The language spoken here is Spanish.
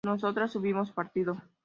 ¿Nosotras hubimos partido?